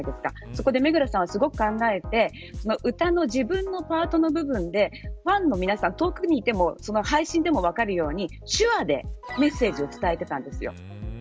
そこで目黒さんはすごく考えて歌の自分のパートの部分でファンの皆さん遠くにいても配信で見ている方のためにも分かるように手話でメッセージを伝えていました。